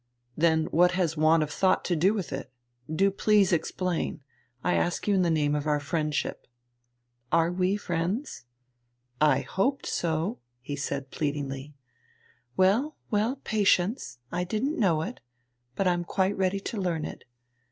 "Then what has want of thought to do with it? Do please explain. I ask you in the name of our friendship." "Are we friends?" "I hoped so," he said pleadingly. "Well, well, patience! I didn't know it, but I'm quite ready to learn it.